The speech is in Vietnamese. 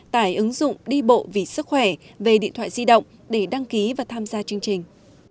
tải ứng dụng đi bộ vì sức khỏe về điện thoại di động để đăng ký và tham gia chương trình